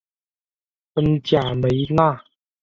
恩贾梅纳。